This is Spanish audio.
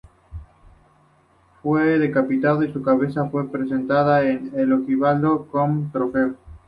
Fue decapitado y su cabeza fue presentada a Heliogábalo como trofeo.